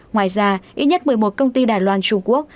ngoài ra ít nhất một mươi một công ty đài loan trung quốc